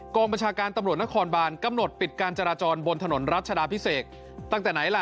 บัญชาการตำรวจนครบานกำหนดปิดการจราจรบนถนนรัชดาพิเศษตั้งแต่ไหนล่ะ